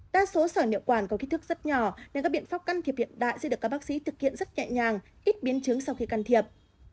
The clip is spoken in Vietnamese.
các sỏi nhậu quả có kích thước rất nhỏ nên các biện pháp can thiệp hiện đại sẽ được các bác sĩ thực hiện rất nhẹ nhàng ít biến chứng sau khi can thiệp